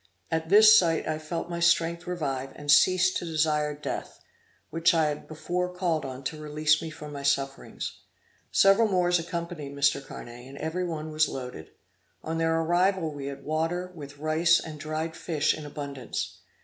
At this sight I felt my strength revive, and ceased to desire death, which I had before called on to release me from my sufferings. Several Moors accompanied Mr. Carnet, and every one was loaded. On their arrival we had water, with rice and dried fish in abundance.